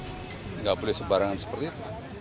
tidak boleh sembarangan seperti itu